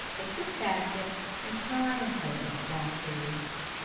Take this basket, and try and fill it with blackberries."